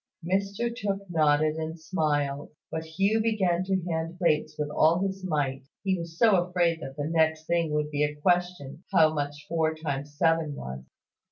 Mr Tooke nodded and smiled; but Hugh began to hand plates with all his might, he was so afraid that the next thing would be a question how much four times seven was.